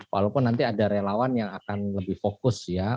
walaupun nanti ada relawan yang akan lebih fokus ya